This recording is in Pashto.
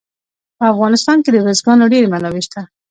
په افغانستان کې د بزګانو ډېرې منابع شته.